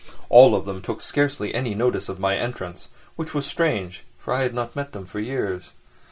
All of them took scarcely any notice of my entrance, which was strange, for I had not met them for years.